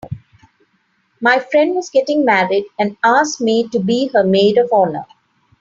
My friend was getting married and asked me to be her maid of honor.